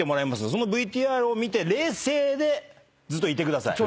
そのＶＴＲを見て冷静でずっといてください。